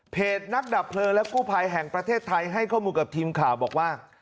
นักดับเพลิงและกู้ภัยแห่งประเทศไทยให้ข้อมูลกับทีมข่าวบอกว่า